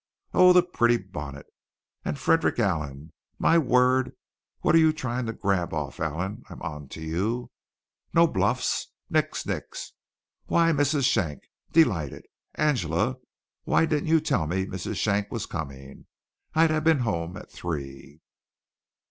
Oh, the pretty bonnet! And Frederick Allen! My word! What are you trying to grab off, Allen? I'm on to you. No bluffs! Nix! Nix! Why, Mrs. Schenck delighted! Angela, why didn't you tell me Mrs. Schenck was coming? I'd have been home at three."